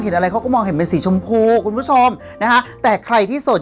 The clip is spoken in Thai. อะไรเขาก็มองเห็นเป็นสีชมพูคุณผู้ชมนะคะแต่ใครที่สด